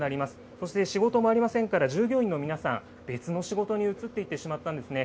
そして仕事もありませんから、従業員の皆さん、別の仕事に移っていってしまったんですね。